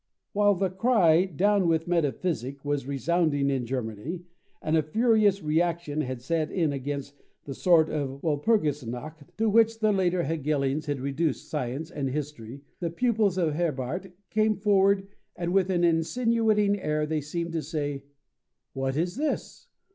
While the cry of "Down with Metaphysic" was resounding in Germany, and a furious reaction had set in against the sort of Walpurgisnacht to which the later Hegelians had reduced science and history, the pupils of Herbart came forward and with an insinuating air they seemed to say: "What is this?